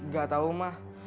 gak tau mah